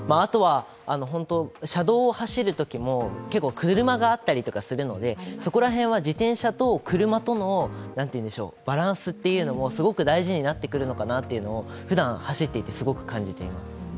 車道を走るときも結構、車があったりするのでそこら辺は、自転車と車とのバランスというのもすごく大事になってくるのかなというのをふだん走っていてすごく感じています。